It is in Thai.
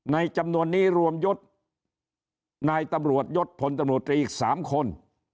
จำนวนนี้รวมยศนายตำรวจยศพลตำรวจตรีอีก๓คน